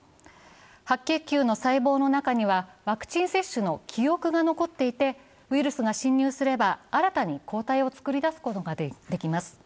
白血球の細胞の中には、ワクチン接種の記憶が残っていてウイルスが侵入すれば新たに抗体をつくり出すことができます。